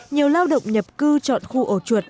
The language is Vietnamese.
nhiều lao động nhập cư chọn khu ổ chuột bình thường